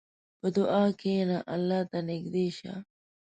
په دعا کښېنه، الله ته نږدې شه.